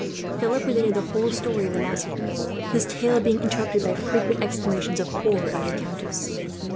Philip related the whole story of the massacre, his tale being interrupted by frequent exclamations of horror, by the countess.